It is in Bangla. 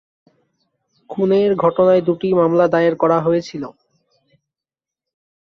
খুনের ঘটনায় দুটি মামলা দায়ের করা হয়েছিল।